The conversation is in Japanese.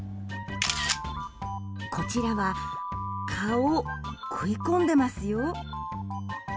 こちらは、顔食い込んでますよ。